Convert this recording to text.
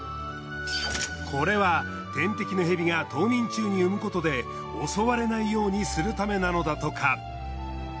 これは天敵のヘビが冬眠中に産むことで襲われないようにするためなのだとか。